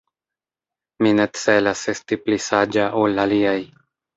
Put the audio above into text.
Mi ne celas esti pli saĝa ol aliaj.